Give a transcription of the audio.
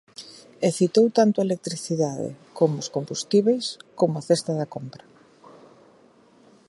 E citou tanto a electricidade, como os combustíbeis, como a cesta da compra.